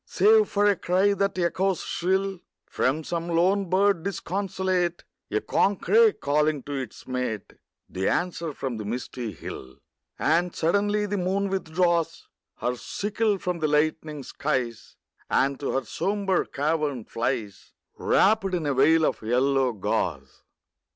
Save for a cry that echoes shrill From some lone bird disconsolate; A corncrake calling to its mate; The answer from the misty hill. And suddenly the moon withdraws Her sickle from the lightening skies, And to her sombre cavern flies, Wrapped in a veil of yellow gauze.